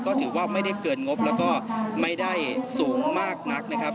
ก็ถือว่าไม่ได้เกินงบแล้วก็ไม่ได้สูงมากนักนะครับ